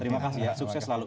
terima kasih ya sukses selalu